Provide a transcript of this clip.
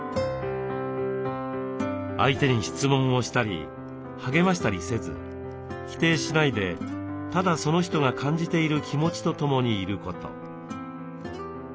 相手に質問をしたり励ましたりせず否定しないでただその人が感じている気持ちと共にいること。